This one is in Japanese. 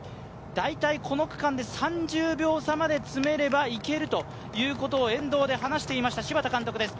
大体この区間で３０秒差まで詰めればいけるということを沿道で話していました、柴田監督です。